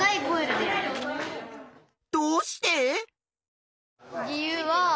どうして？